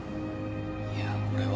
いや俺は。